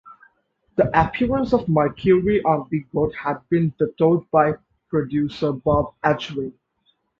The appearance of "Mercury" on "Big Boat" had been vetoed by producer Bob Ezrin.